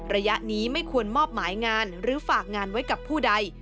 ระยะนี้ไม่ควรมอบหมายงานหรือฝากงานไว้กับผู้ใด